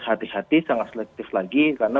hati hati sangat selektif lagi karena